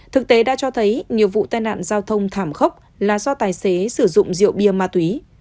thực tế đã cho thấy nhiều vụ tai nạn giao thông thảm khốc là do tài xế sử dụng rượu bia ma túy